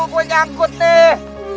gua nyangkut nih